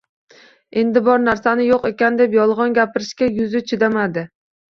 Endi bor narsani yo‘q ekan deb yolg‘on gapirishga yuzi chidamadi